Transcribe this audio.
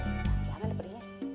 jangan ada perihanya